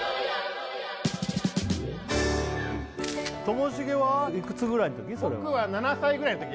ともしげはいくつぐらいの時？